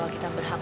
terima kasih pak